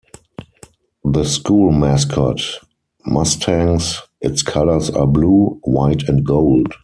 The school mascot: Mustangs; its colors are blue, white and gold.